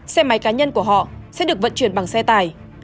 xe máy cá nhân của họ sẽ được vận chuyển bằng xe tải